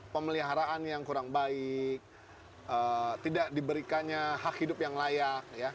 pemeliharaan yang kurang baik tidak diberikannya hak hidup yang layak